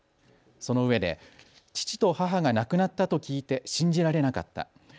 そのうえで、父と母が亡くなったと聞いて信じられなかった。